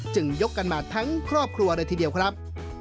ยกกันมาทั้งครอบครัวเลยทีเดียวครับ